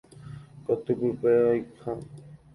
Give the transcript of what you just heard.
Kotypýpe oĩha.